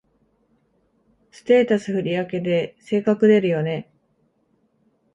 ステータス振り分けで性格出るよね